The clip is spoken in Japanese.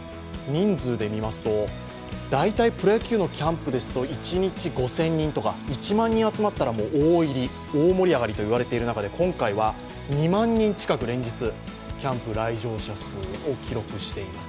大体プロ野球のキャンプですと一日５０００人とか、１万人超えれば大入りといわれる中今回は２万人近く連日キャンプ来場者数を記録しています。